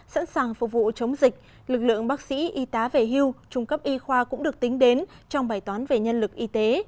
sẵn sàng phục vụ chống dịch lực lượng bác sĩ y tá về hưu trung cấp y khoa cũng được tính đến trong bài toán về nhân lực y tế